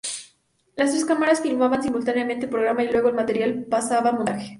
Las tres cámaras filmaban simultáneamente el programa y luego el material pasaba a montaje.